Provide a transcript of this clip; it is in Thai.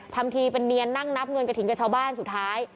ทำทีเป็นเนียนนั่งนับเงินกระถิ่นกับชาวบ้านสุดท้าย